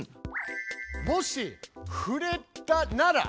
「もし触れたなら」。